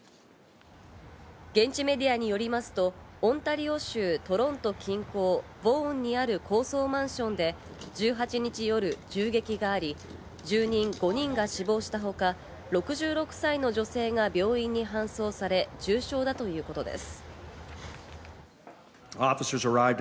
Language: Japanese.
現地メディアによりますと、オンタリオ州トロント近郊ヴォ―ンにある高層マンションで１８日夜、銃撃があり住人５人が死亡したほか６６歳の女性が病院に搬送され重傷だということです。